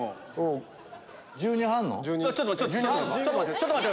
ちょっと待って！